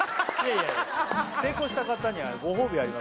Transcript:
成功した方にはごほうびあります